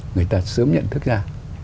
người ta sớm nhận thức ra